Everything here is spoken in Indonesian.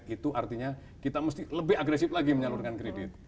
itu artinya kita mesti lebih agresif lagi menyalurkan kredit